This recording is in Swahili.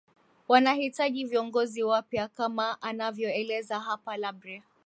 wanahitaji viongozi wapya kama anavyoeleza hapa labre